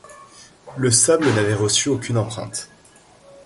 Le sable n’avait reçu aucune empreinte.